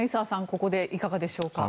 ここで、いかがでしょうか？